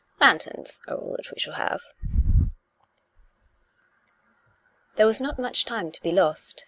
Lanterns are all that we shall have." There was not much time to be lost.